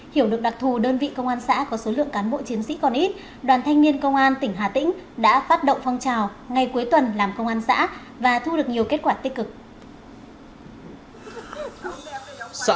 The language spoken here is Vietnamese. hiểu được đặc thù đơn vị công an xã có số lượng cán bộ chiến sĩ còn ít đoàn thanh niên công an tỉnh hà tĩnh đã phát động phong trào ngày cuối tuần làm công an xã và thu được nhiều kết quả tích cực